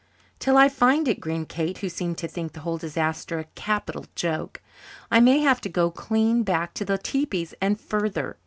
"Till I find it," grinned Kate, who seemed to think the whole disaster a capital joke. "I may have to go clean back to the tepees and further.